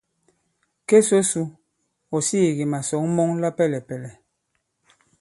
Ke so su , ɔ̀ sīī kì màsɔ̌ŋ mɔŋ la pɛlɛ̀pɛ̀lɛ̀.